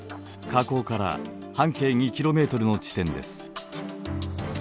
火口から半径２ｋｍの地点です。